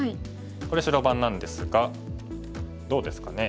ここで白番なんですがどうですかね。